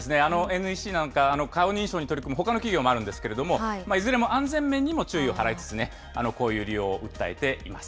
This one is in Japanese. ＮＥＣなんか、顔認証に取り組むほかの企業もあるんですけれども、いずれも安全面にも注意を払いつつね、こういう利用を訴えています。